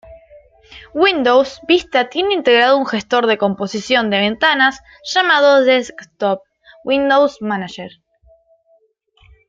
Windows Vista tiene integrado un gestor de composición de ventanas llamado Desktop window manager.